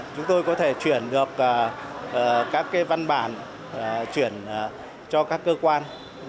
chúng tôi có thể chuyển được các văn bản chuyển cho các cơ quan